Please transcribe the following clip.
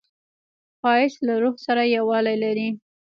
ښایست له روح سره یووالی لري